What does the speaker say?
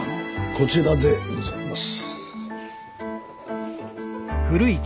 こちらでございます。